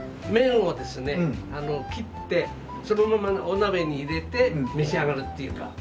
麺をですね切ってそのままお鍋に入れて召し上がるっていうか。